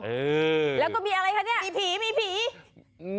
เออมีผีแล้วก็มีอะไรคะเนี่ย